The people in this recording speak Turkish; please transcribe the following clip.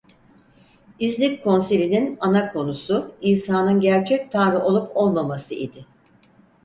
İznik Konsili'nin ana konusu İsa'nın gerçek Tanrı olup olmaması idi.